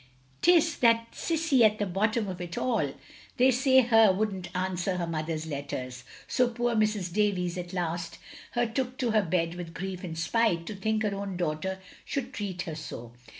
" 'T is that Cissie at the bottom of it all. They OF GROSVENOR SQUARE 145 say her wouldn't answer her mother's letters, so poor Mrs. Davies at last her took to her bed with grief and spite, to think her own daughter should treat her so.